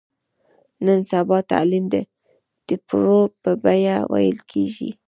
نن سبا تعلیم د ټېپرو په بیه ویل کېږي.